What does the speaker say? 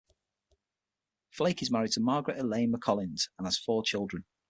Flake is married to Margaret Elaine McCollins and has four children.